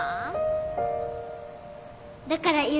だから